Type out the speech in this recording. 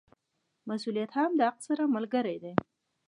مسوولیت هم د حق سره ملګری دی.